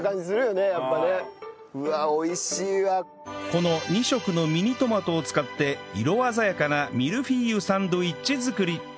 この２色のミニトマトを使って色鮮やかなミルフィーユサンドウィッチ作り